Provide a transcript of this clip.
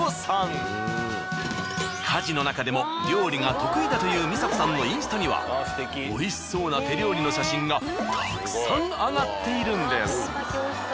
家事の中でも料理が得意だという美佐子さんのインスタには美味しそうな手料理の写真がたくさん上がっているんです。